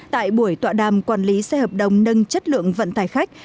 tại buổi tọa đàm quản lý xe hợp đồng nâng chất lượng vận tải khách